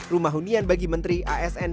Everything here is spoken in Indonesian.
rumah hunian bagi menteri asn